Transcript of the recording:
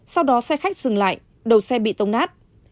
sau đó xe khách dừng lại đầu xe bị tông nát